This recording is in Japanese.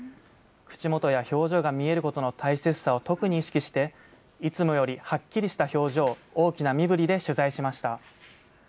口元や表情が見えることの大切さを特に意識して、いつもよりはっきりした表情、大きな身ぶりで取材しました。